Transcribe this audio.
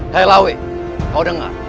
hei lawi kau dengar